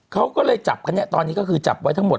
เขาก็เลยจับกันเนี่ยตอนนี้ก็คือจับไว้ทั้งหมด